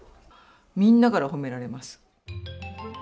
みんなから褒められます。